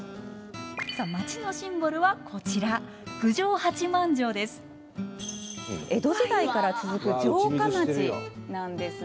さあ町のシンボルはこちら江戸時代から続く城下町なんですね。